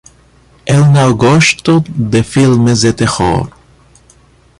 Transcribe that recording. Eu não gosto de filmes de terror.